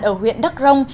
ở huyện đắc rông